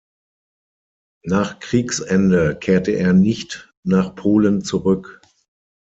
Nach Kriegsende kehrte er nicht nach Polen zurück.